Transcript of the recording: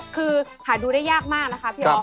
คือหาดูได้ยากมากนะคะพี่อ๊อ